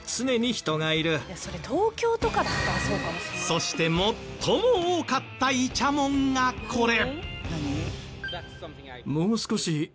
そして最も多かったイチャモンがこれ。